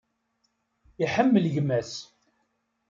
Iḥemmel gma-s.